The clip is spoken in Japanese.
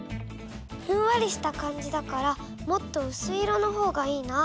ふんわりした感じだからもっとうすい色のほうがいいな。